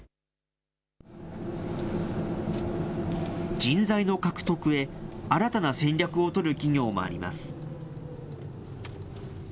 人材の獲得へ新たな戦略を取る企業もあります。